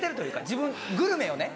「自分グルメ」をね